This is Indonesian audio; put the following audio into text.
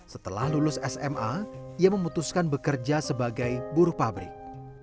setelah lulus sma ia memutuskan bekerja sebagai buruh pabrik